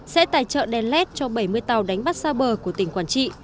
sẽ tài trợ đèn led cho bảy mươi tàu đánh bắt xa bờ của tỉnh quảng trị